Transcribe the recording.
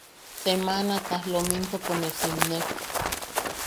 Semanata lominkopo ne simne.